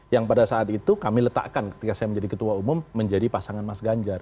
yang pada saat itu kami letakkan ketika saya menjadi ketua umum menjadi pasangan mas ganjar